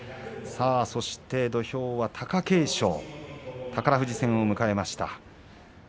そして土俵は貴景勝宝富士戦を迎えました。